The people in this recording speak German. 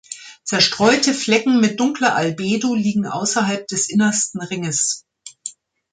Zerstreute Flecken mit dunkler Albedo liegen außerhalb des innersten Ringes.